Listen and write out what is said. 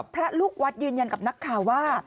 พระลูกวัดยืนยันกับนักข่าวว่า